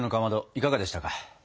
いかがでしたか？